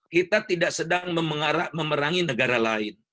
kita tidak sedang memerangi negara lain